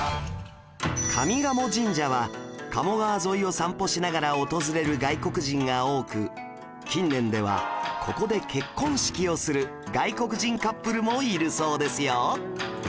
上賀茂神社は賀茂川沿いを散歩しながら訪れる外国人が多く近年ではここで結婚式をする外国人カップルもいるそうですよ